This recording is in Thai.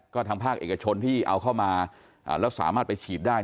ก็ทางภาคเอกชนที่เอาเข้ามาแล้วสามารถไปฉีดได้